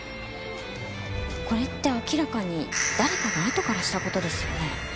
これって明らかに誰かがあとからした事ですよね？